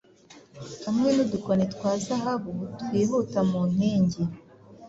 Hamwe nudukoni twa zahabu twihuta mu nkingi